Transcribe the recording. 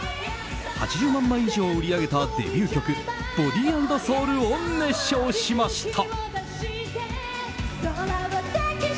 ８０万枚以上を売り上げたデビュー曲「ＢＯＤＹ＆ＳＯＵＬ」を熱唱しました。